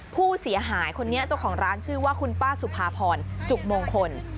ผู้เสียหายคนนี้เจ้าของร้านชื่อว่าคุณป้าสุภาพรจุกมงคล